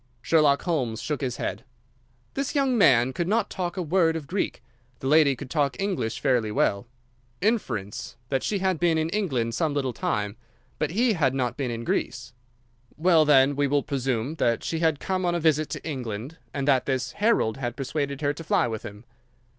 Sherlock Holmes shook his head. "This young man could not talk a word of Greek. The lady could talk English fairly well. Inference, that she had been in England some little time, but he had not been in Greece." "Well, then, we will presume that she had come on a visit to England, and that this Harold had persuaded her to fly with him."